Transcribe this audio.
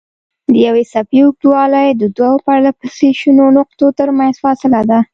د یوې څپې اوږدوالی د دوو پرلهپسې شنو نقطو ترمنځ فاصله ده.